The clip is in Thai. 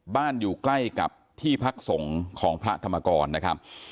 อยู่ใกล้กับที่พักสงฆ์ของพระธรรมกรนะครับ